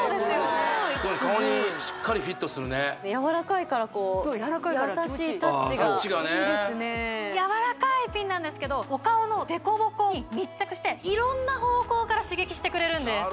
これ顔にしっかりフィットするねやわらかいからこう優しいタッチがいいですねやわらかいピンなんですけどお顔の凸凹に密着して色んな方向から刺激してくれるんです